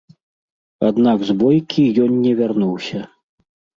Аднак з бойкі ён не вярнуўся.